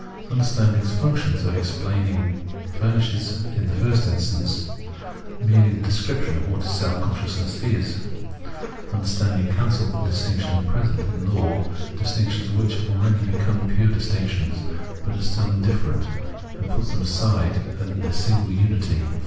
Understanding's function of explaining furnishes in the first instance merely the description of what self consciousness is. Understand ing cancels the distinctions present in Law, distinc tions which have aheady become pure distinctions but are still indifferent, and puts them inside a single unity.